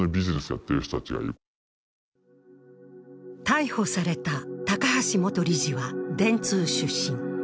逮捕された高橋元理事は電通出身。